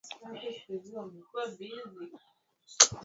kimwili kwa jumla kwa athari za dawa za kulevya na ivUraibu wa